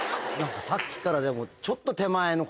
さっきからでも。